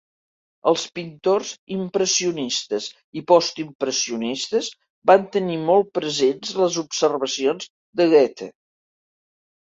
Els pintors impressionistes i postimpressionistes van tenir molt presents les observacions de Goethe.